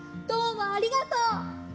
どうもありがとう！